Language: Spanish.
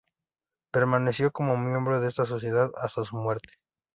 Permaneció como miembro de esta sociedad hasta su muerte.